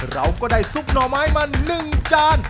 เราก็ได้ซุปหน่อไม้มา๑จาน